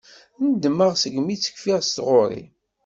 Ndemmeɣ segmi tt-kfiɣ s tɣuri.